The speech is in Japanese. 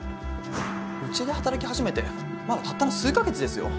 うちで働きはじめてまだたったの数か月ですよ。